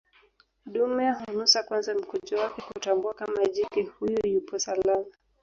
Dume hunusa kwanza mkojo wake kutambua kama jike huyo yupo salama